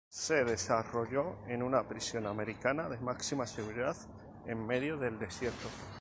Se desarrolló en una prisión americana de máxima seguridad en medio del desierto".